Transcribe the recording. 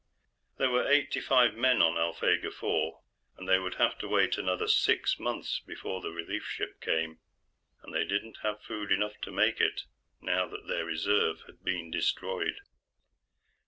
There were eighty five men on Alphegar IV, and they would have to wait another six months before the relief ship came. And they didn't have food enough to make it, now that their reserve had been destroyed.